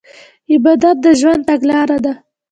عبادت د ژوند تګلاره ده.